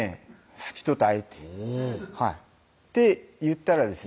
「好きとたい」って言ったらですね